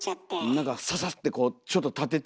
何かササッてこうちょっと立ててる。